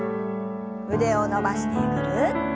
腕を伸ばしてぐるっと。